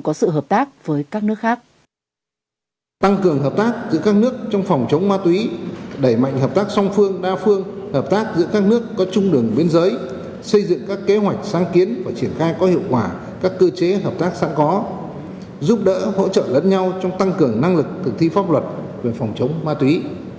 cấp bộ trưởng về nâng cao hiệu quả các cơ chế hợp tác sẵn có giúp đỡ hỗ trợ lẫn nhau trong tăng cường năng lực thực thi pháp luật về phòng chống ma túy